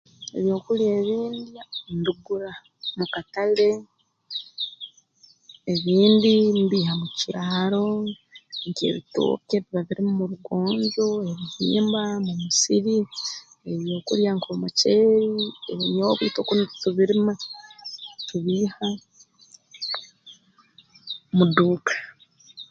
Ebyokulya ebi ndya mbigura mu katale ebindi mbiiha mu kyaro nk'ebitooke biba birumu mu rugonjo ebihimba mu musiri ebyokulya nk'omuceeri ebinyoobwa itwe kunu tutubirima tubiiha mu duuka